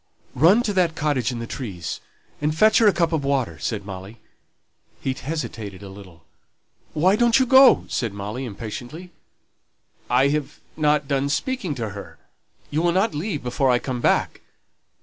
"Run to that cottage in the trees, and fetch her a cup of water," said Molly. He hesitated a little. "Why don't you go?" said Molly, impatiently. "I have not done speaking to her; you will not leave before I come back?"